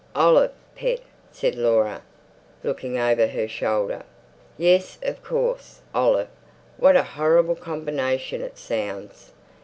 "Olive, pet," said Laura, looking over her shoulder. "Yes, of course, olive. What a horrible combination it sounds.